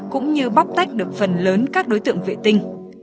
cũng như bóc tách được phần lớn các đối tượng vệ tinh